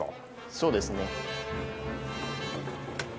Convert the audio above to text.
そうですね。